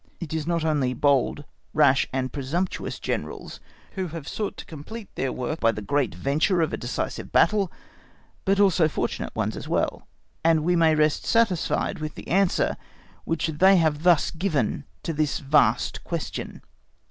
It is not only bold, rash, and presumptuous Generals who have sought to complete their work by the great venture of a decisive battle, but also fortunate ones as well; and we may rest satisfied with the answer which they have thus given to this vast question.